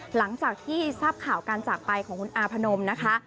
หลังจากที่ทราบข่าวการจากไปของคุณอาพนมนะคะ